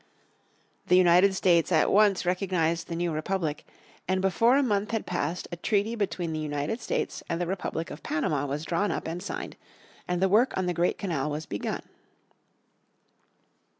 The United States at once recognized the new republic, and before a month had passed a treaty between the United States and the Republic of Panama was drawn up and signed, and the work on the great canal was begun.